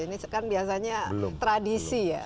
ini kan biasanya tradisi ya